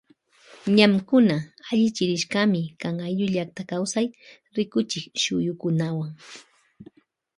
Ñañnkuna allichirishkami kan ayllu llakta kawsay rikuchik shuyukunawan.